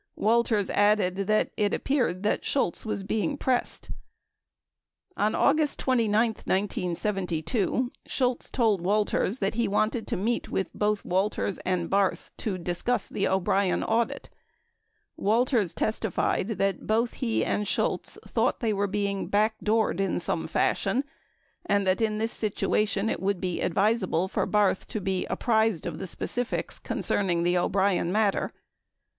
Walters added that "it ap peared that [Shultz] was being pressed " 23 On August 29, 1972, Shultz told Walters that he wanted to meet with both Walters and Barth to discuss the O'Brien audit, Walters testified that both he and Shultz thought they were being "back doored" in some fashion and that in this situation it would be advis able for Barth to be apprised of the specifics concerning the O'Brien matter.